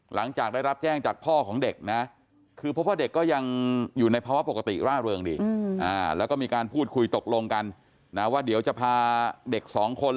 หลังจากได้รับแจ้งจากพ่อของเด็กนะคือพบว่าเด็กก็ยังอยู่ในภาวะปกติร่าเริงดีแล้วก็มีการพูดคุยตกลงกันนะว่าเดี๋ยวจะพาเด็กสองคน